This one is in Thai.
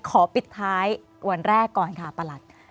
ปิดท้ายวันแรกก่อนค่ะประหลัด